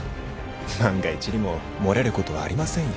万が一にも漏れることはありませんよ